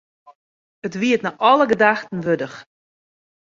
It wie it nei alle gedachten wurdich.